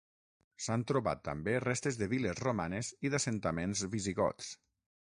S'han trobat també restes de viles romanes i d'assentaments visigots.